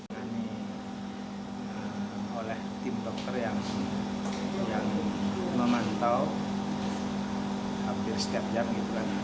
kami dikontrol oleh tim dokter yang memantau hampir setiap jam